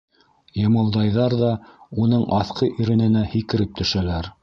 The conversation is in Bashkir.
Йымылдайҙар ҙа уның аҫҡы ирененә һикереп төшәләр.